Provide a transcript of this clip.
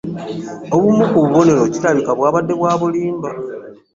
Obumu ku bubonero kirabika bwabadde bwa bulimba.